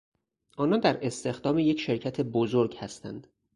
آنان در استخدام یک شرکت بزرگ هستند.